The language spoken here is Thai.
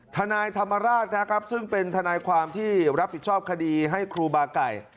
ทนายธรรมราชนะครับซึ่งเป็นทนายความที่รับผิดชอบคดีให้ครูบาไก่